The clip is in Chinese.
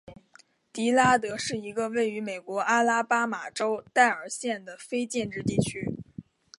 迪拉德是一个位于美国阿拉巴马州戴尔县的非建制地区。